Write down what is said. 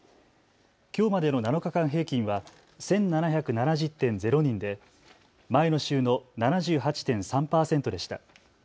きょうまでの７日間平均は１７７０．０人で前の週の７８．３％でした。